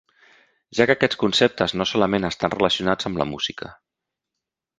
Ja que aquests conceptes no solament estan relacionats amb la música.